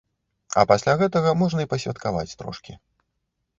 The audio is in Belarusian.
А пасля гэтага можна і пасвяткаваць трошкі.